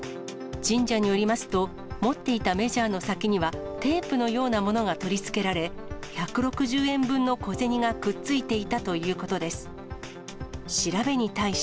神社によりますと、持っていたメジャーの先には、テープのようなものが取り付けられ、１６０円分の小銭がくっついていたということです。